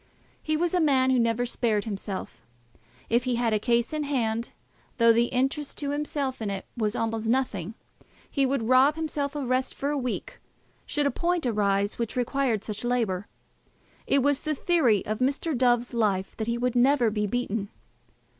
He was a man who never spared himself. If he had a case in hand, though the interest to himself in it was almost nothing, he would rob himself of rest for a week should a point arise which required such labour. It was the theory of Mr. Dove's life that he would never be beaten.